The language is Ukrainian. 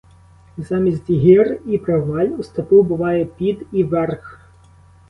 Замість гір і проваль у степу буває під і верх.